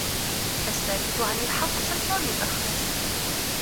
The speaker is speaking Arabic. الساكت عن الحق شيطان أخرس